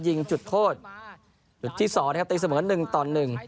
ยิงจุดโทษจุดที่สองนะครับตีเสมอหนึ่งต่อหนึ่ง